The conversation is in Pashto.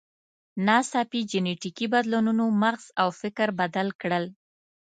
ناڅاپي جینټیکي بدلونونو مغز او فکر بدل کړل.